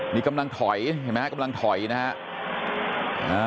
นี่กำลังถอยเห็นไหมฮะกำลังถอยนะฮะ